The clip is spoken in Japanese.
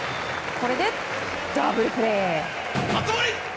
これでダブルプレー！